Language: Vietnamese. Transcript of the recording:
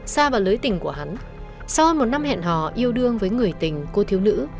xa vào lưới tình của hắn sau hơn một năm hẹn hò yêu đương với người tình cô thiếu nữ